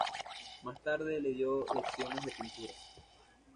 Más tarde le dio lecciones de pintura.